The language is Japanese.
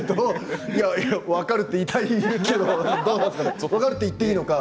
分かると言いたいけど分かるって言っていいのか。